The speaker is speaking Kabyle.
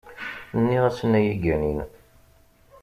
Nniɣ-asen ad yi-ganin.